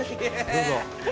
どうぞ。